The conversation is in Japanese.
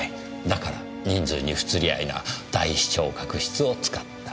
だから人数に不釣り合いな大視聴覚室を使った。